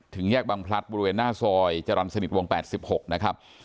ถึงแยกบำพลัดบริเวณหน้าซอยจรรภ์สมิทวงด์๘๑๖นะครับ